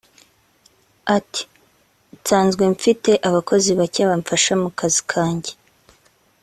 Ati “Nsanzwe mfite abakozi bake bamfasha mu kazi kanjye